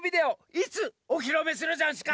いつおひろめするざんすか？